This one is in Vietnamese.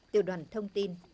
tiểu đoàn thông tin